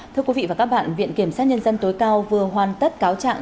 thưa quý vị và các bạn viện kiểm sát nhân dân tối cao vừa hoàn tất cáo trạng